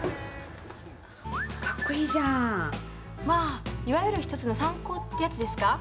かっこいいじゃんまあいわゆる１つの３高ってやつですか